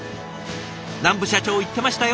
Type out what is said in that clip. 南部社長言ってましたよ。